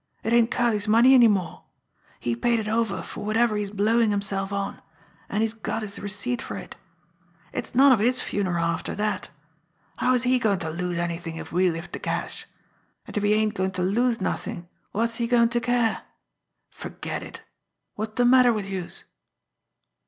It ain't Curley's money any more. He paid it over for whatever he's blowin' himself on, an' he's got his receipt for it. It's none of his funeral after dat! How's he goin' to lose anything if we lift de cash? An' if he ain't goin' to lose nothin', wot's he goin' to care! Ferget it! Wot's de matter wid youse!"